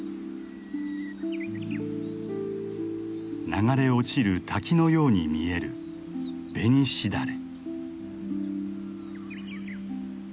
流れ落ちる滝のように見えるベニシダレ。